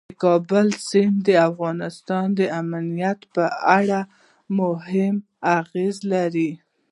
د کابل سیند د افغانستان د امنیت په اړه هم اغېز لري.